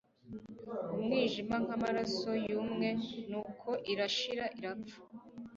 Umwijima nkamaraso yumye nuko irashira irapfa